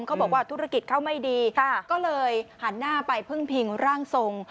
เขาบอกว่าธุรกิจเขาไม่ดีก็เลยหันหน้าไปพึ่งพิงร่างทรง